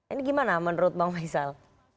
ini gimana menurut bang faisal